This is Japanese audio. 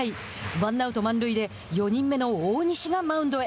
ワンアウト、満塁で４人目の大西がマウンドへ。